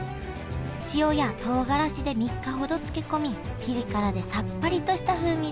塩やとうがらしで３日ほど漬け込みピリ辛でさっぱりとした風味です。